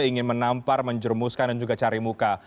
ingin menampar menjermuskan dan juga cari muka